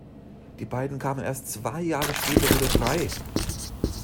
Die beiden kamen erst zwei Jahre später wieder frei.